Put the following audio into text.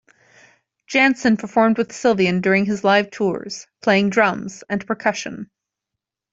Jansen performed with Sylvian during his live tours, playing drums and percussion.